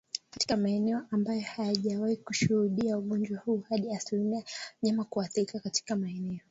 Katika maeneo ambayo hayajawahi kushuhudia ugonjwa huu hadi asilimia ya wanyama huathirika Katika maeneo